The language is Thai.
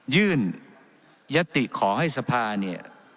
ยื่นยติขอให้สภาเนี่ย